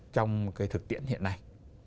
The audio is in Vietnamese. trong thực tiễn hiện nay